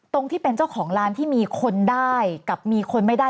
ที่เป็นเจ้าของร้านที่มีคนได้กับมีคนไม่ได้